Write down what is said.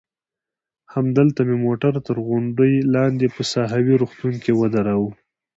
همدلته مې موټر تر غونډۍ لاندې په ساحوي روغتون کې ودراوه.